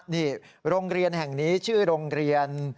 นี่โรงเรียนแห่งนี้ชื่อโรงเรียน